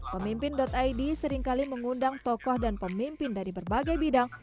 pemimpin id seringkali mengundang tokoh dan pemimpin dari berbagai bidang